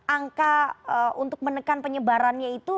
angka untuk menekan penyebarannya itu